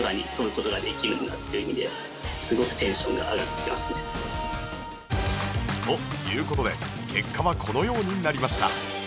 私自身という事で結果はこのようになりました